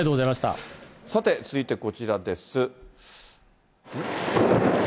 さて、続いてこちらです。